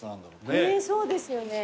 ねっそうですよね。